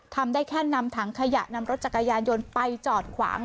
ทำได้แค่นำถังขยะนำรถจักรยานยนต์ไปจอดขวาง